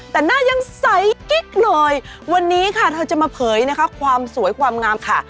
แต่หน้ายังใสกิ๊กหน่อยวันนี้ค่ะเธอจะมาเผยนะคะความสวยความงามค่ะ